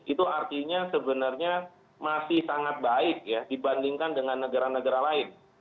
itu artinya sebenarnya masih sangat baik ya dibandingkan dengan negara negara lain